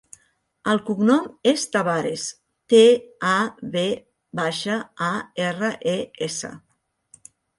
El cognom és Tavares: te, a, ve baixa, a, erra, e, essa.